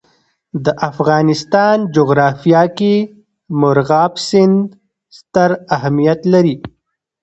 د افغانستان جغرافیه کې مورغاب سیند ستر اهمیت لري.